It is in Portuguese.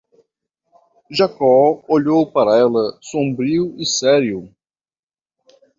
Jakob olhou para ela sombrio e sério.